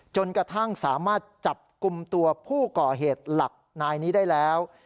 จนกระทั่งสามารถจับกลุ่มตัวผู้ก่อเหตุหลักนายนี้ได้แล้ว